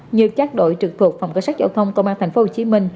như các đội trực thuộc phòng cảnh sát giao thông công an tp hcm